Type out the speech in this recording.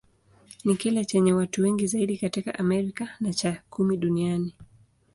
Ni kile chenye watu wengi zaidi katika Amerika, na cha kumi duniani.